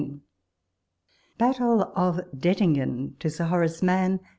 ti* BATTLE OF DETTIXGEX. To Sir Horace Mann.